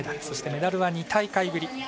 そして、メダルは２大会ぶり。